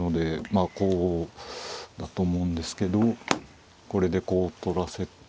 まあこうだと思うんですけどこれでこう取らせて。